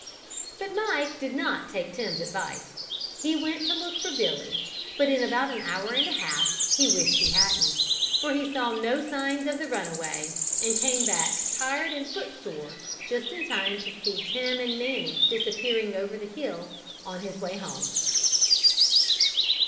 But Mike did not take Tim's advice. He went to look for Billy but in about an hour and a half he wished he hadn't, for he saw no signs of the runaway, and came back tired and foot sore just in time to see Tim and Nanny disappearing over the hill on the way home.